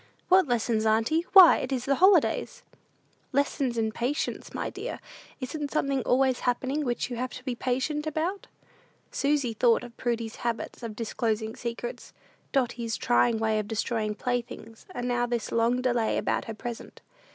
"What lessons, auntie? Why, it is the holidays!" "Lessons in patience, my dear. Isn't something always happening which you have to be patient about?" Susy thought of Prudy's habit of disclosing secrets, Dotty's trying way of destroying playthings; and now this long delay about her present.